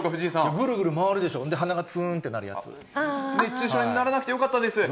ぐるぐる回るでしょ、鼻がつ熱中症にならなくてよかったです。